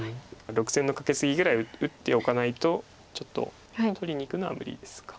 ６線のカケツギぐらい打っておかないとちょっと取りにいくのは無理ですか。